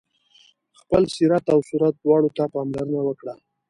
خپل سیرت او صورت دواړو ته پاملرنه وکړه.